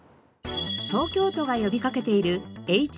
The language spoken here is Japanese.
東京都が呼びかけている「ＨＴＴ」。